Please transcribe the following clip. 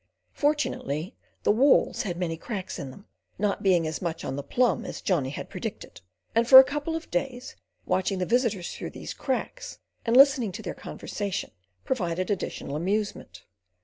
Fortunately the walls had many cracks in them—not being as much on the plumb as Johnny had predicted, and for a couple of days, watching the visitors through these cracks and listening to their conversation provided additional amusement.